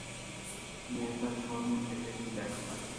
মেহতার phone, একে একটু দেখ।